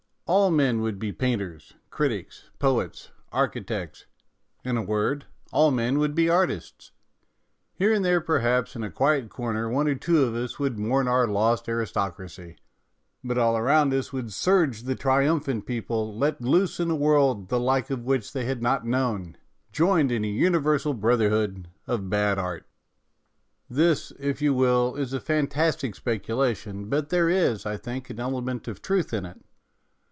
All men would be painters, critics, poets, architects ; in a word, all men would be artists. Here and there, perhaps, in a quiet corner one or two of us would THE REVOLT OF THE PHILISTINES 169 mourn our lost aristocracy, but all around us would surge the triumphant people, let loose in a world the like of which they had not known, joined in a universal brotherhood of bad art. This, if you will, is a fantastic specula tion, but there is, I think, an element of truth in it.